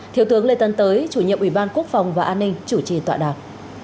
thiếu tướng lê tân tới chủ nhiệm ủy ban quốc phòng và an ninh chủ trì tọa đàm